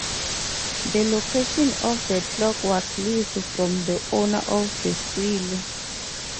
The location of the clock was leased from the owner of the silo.